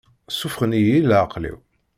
Ssufɣen-iyi i leεqel-iw.